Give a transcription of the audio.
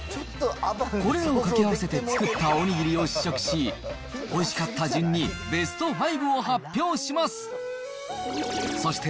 これらを掛け合わせて作ったおにぎりを試食し、おいしかった順にベスト５を発表します。